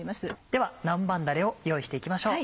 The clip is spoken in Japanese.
では南蛮だれを用意して行きましょう。